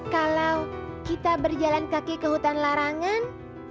kalau kita berjalan kaki ke hutan larangan